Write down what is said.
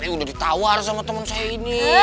udah ditawar sama temen saya ini